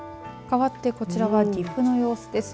かわってこちらは岐阜の様子です。